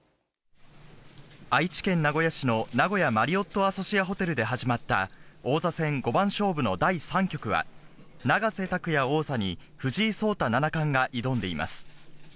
愛知県名古屋市の名古屋マリオットアソシアホテルで始まった、王座戦五番勝負の第３局は、永瀬拓矢王座に藤井聡太七冠が挑んでいます。